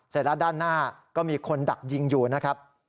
เสร็จแล้วด้านหน้าก็มีคนดักยิงอยู่นะครับ